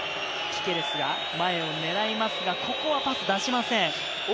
ピケレスが前を狙いますが、ここはパスを出しません。